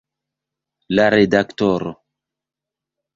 La redaktoro.